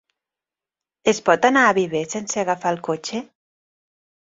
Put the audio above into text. Es pot anar a Viver sense agafar el cotxe?